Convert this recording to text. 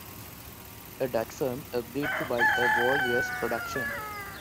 A Dutch firm agreed to buy a whole year's production.